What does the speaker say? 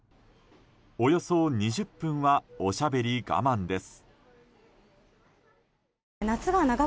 およそ２０分はおしゃべり我慢です。